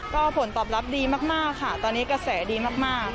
ก็ผลตอบรับดีมากค่ะตอนนี้กระแสดีมาก